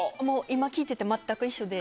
今聞いてて全く一緒で。